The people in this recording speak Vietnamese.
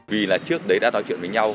vì là trước đấy đã nói chuyện với nhau